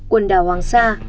quần đảo hoàng sa